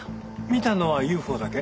見たのはＵＦＯだけ？